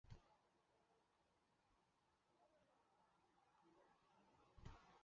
后者是从民族主义和共和派方面赢得支持的关键。